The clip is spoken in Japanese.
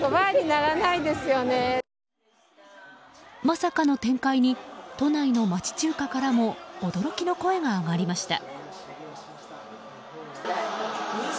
まさかの展開に都内の町中華からも驚きの声が上がりました。